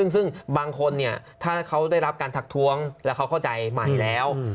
ซึ่งบางคนเนี่ยถ้าเขาได้รับการทักท้วงแล้วเขาเข้าใจใหม่แล้ว